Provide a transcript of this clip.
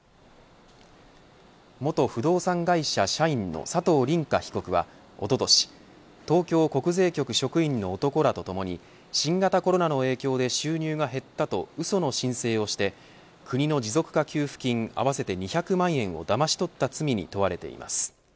元不動産会社社員の佐藤凜果被告は、おととし東京国税局職員の男らとともに新型コロナの影響で収入が減ったとうその申請をして国の持続化給付金合わせて２００万円をだまし取った罪に問われています。